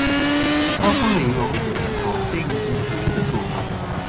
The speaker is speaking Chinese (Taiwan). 超脫了以往數人頭、非贏即輸的做法